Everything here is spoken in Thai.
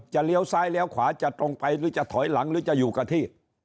เลี้ยวซ้ายเลี้ยวขวาจะตรงไปหรือจะถอยหลังหรือจะอยู่กับที่